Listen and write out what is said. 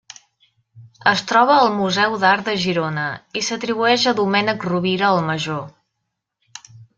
Es troba al Museu d’Art de Girona, i s’atribueix a Domènec Rovira el Major.